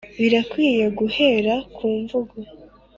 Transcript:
birakwiye, guhera ku mvugo,